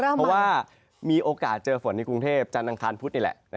เพราะว่ามีโอกาสเจอฝนในกรุงเทพจันทร์อังคารพุธนี่แหละ